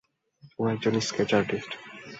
ও একজন sketch artist.